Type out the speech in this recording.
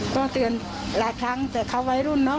ก็เตือนหลายครั้งแต่เขาวัยรุ่นเนอะ